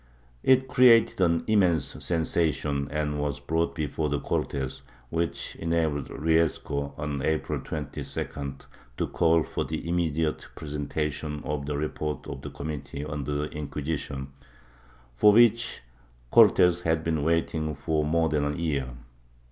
It created an immense sensation and w^as brought before the Cortes, which enabled Riesco, on April 22d, to call for the immediate presentation of the report of the com mittee on the Inquisition, for w^hich the Cortes had been waiting for more than a year.